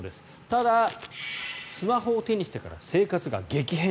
ただ、スマホを手にしてから生活が激変。